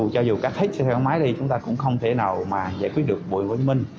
cho dù cắt hít xe máy đi chúng ta cũng không thể nào giải quyết được bụi tp hcm